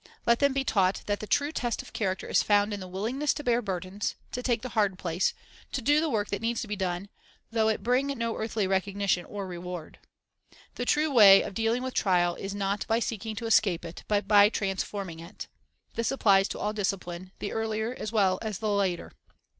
Let them be taught that the true test of character is found in the willingness to bear burdens, to take the hard place, to do the work that needs to be done, though it bring no earthly recognition or reward. The true way of dealing with trial is not by seek ing to escape it, but by transforming it. This applies to all discipline, the earlier as well as the later.